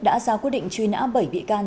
đã ra quyết định truy nã bảy bị can